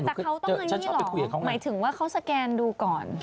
แต่เขาต้องอันนี้เหรอหมายถึงว่าเขาสแกนดูก่อน